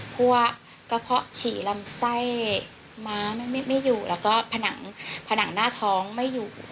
พวกกระเพาะฉี่ลำไส้ม้าไม่อยู่แล้วก็ผนังผนังหน้าท้องไม่อยู่